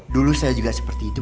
dulu saya juga seperti itu